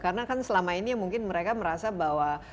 karena kan selama ini mungkin mereka merasa bahwa